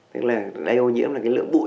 tức là đây ô nhiễm là lượng bụi